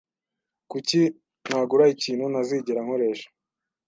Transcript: Kuki nagura ikintu ntazigera nkoresha?